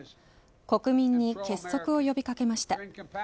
国民に結束を呼び掛けました。